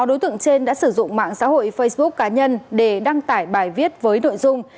sáu đối tượng trên đã sử dụng mạng xã hội facebook cá nhân để đăng tải bài viết với nội dung